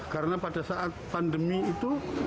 karena pada saat pandemi itu